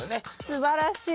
すばらしい！